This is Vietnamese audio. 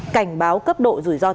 cảnh báo cấp độ